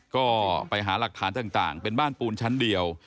ก็ไปหาหลักฐานต่างเป็นบ้านปูนชั้นเดียว